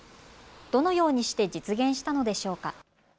どのようにして実現したのでしょうか。